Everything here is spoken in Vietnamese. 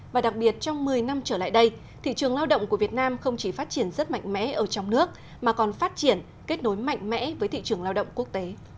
và đặc biệt trong một mươi năm trở lại đây thị trường lao động của việt nam không chỉ phát triển rất mạnh mẽ ở trong nước mà còn phát triển kết nối mạnh mẽ với thị trường lao động quốc tế